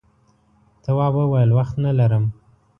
تواب وویل وخت نه لرم.